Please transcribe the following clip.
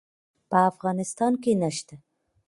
په افغانستان کې نشته